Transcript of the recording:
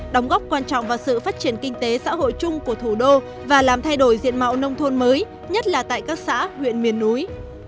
đóng góp quan trọng vào sự phát triển kinh tế xã hội chung của thủ đô và làm thay đổi diện mạo nông thôn mới nhất là tại các xã huyện miền núi